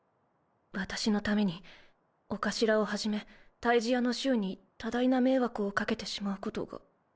私のためにお頭をはじめ退治屋の衆に多大な迷惑をかけてしまうことが。